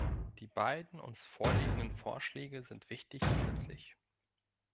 Die beiden uns vorliegenden Vorschläge sind wichtig und nützlich.